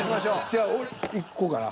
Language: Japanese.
じゃ俺いこうかな。